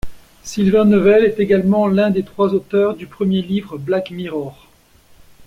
Sylvain Neuvel est également l'un des trois auteurs du premier livre Black Mirror.